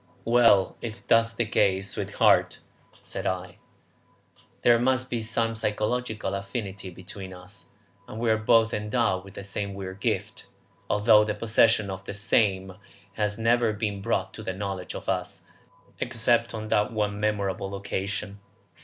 "Well, if that is the case, sweetheart," said I, "there must be some psychological affinity between us, and we are both endowed with the same weird gift, although the possession of the same has never been brought to the knowledge of us except on that one memorable occasion.